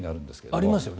ありますよね